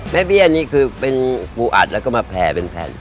เบี้ยนี่คือเป็นปูอัดแล้วก็มาแผ่เป็นแผ่น